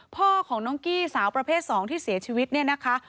พ่อของน้องกี้สาวประเภท๒ที่เสียชีวิตเนี่ยนะคะ